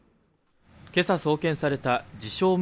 今朝送検された自称